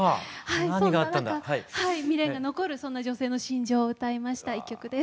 そんな中未練が残るそんな女性の心情を歌いました１曲です。